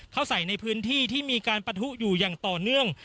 เข้าใส่ในพื้นที่ที่มีการปะทุอยู่อย่างต่อเนื่อง